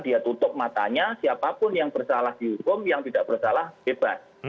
dia tutup matanya siapapun yang bersalah di hukum yang tidak bersalah bebas